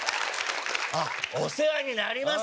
あっお世話になります！